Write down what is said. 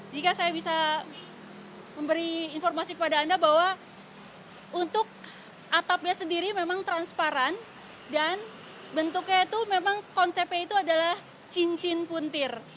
jika saya bisa memberi informasi kepada anda bahwa untuk atapnya sendiri memang transparan dan bentuknya itu memang konsepnya itu adalah cincin puntir